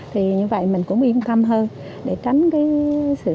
thì như vậy mình cũng yên tâm hơn để tránh cái sự